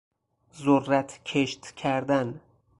ذرت کشت کردن